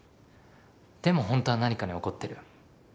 でもホントは何かに怒ってる。